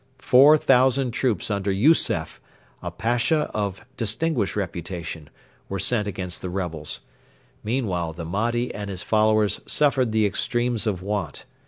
Four thousand troops under Yusef, a Pasha of distinguished reputation, were sent against the rebels. Meanwhile the Mahdi and his followers suffered the extremes of want.